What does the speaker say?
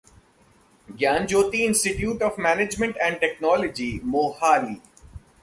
ज्ञान Jyoti institute of management and technology, Mohali